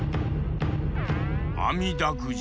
「あみだくじ」